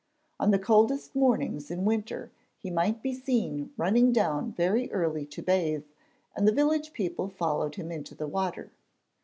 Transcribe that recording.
On the coldest mornings in winter he might be seen running down very early to bathe and the village people followed him into the water.